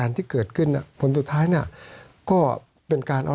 สวัสดีครับทุกคน